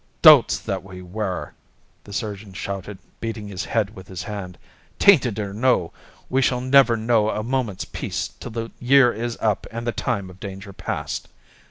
"Dolts that we were!" the surgeon shouted, beating his head with his hand. "Tainted or no, we shall never know a moment's peace till the year is up and the time of danger past.